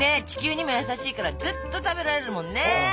地球にも優しいからずっと食べられるもんね。